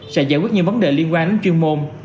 sẽ giải quyết những vấn đề liên quan đến chuyên môn